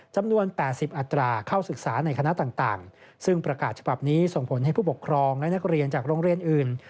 จำนวน๘๐อัตราเข้าศึกษาในคณะต่างซึ่งประกาศฉบับนี้ส่งผลให้ผู้ปกครองและนักเรียนจากโรงเรียนอื่น